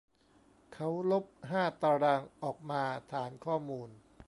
เขาลบห้าตารางออกมาฐานข้อมูล